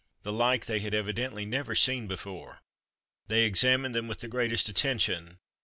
The like they had evidently never seen before they examined them with the greatest attention.